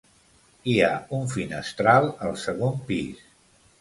Hi ha un finestral al segon pis.